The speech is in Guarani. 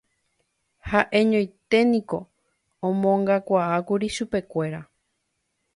Ha'eñoiténiko omongakuaákuri chupekuéra